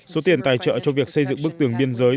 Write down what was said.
số tiền tài trợ cho việc xây dựng bức tường biên giới